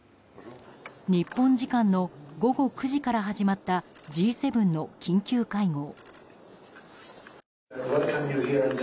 日本時間の午後９時から始まったＧ７の緊急会合。